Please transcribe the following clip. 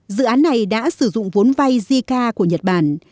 dự án này đã sử dụng vốn vay jica của nhật bản